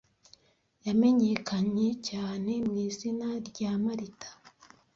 yamenyekanye cyane mwizina rya Marita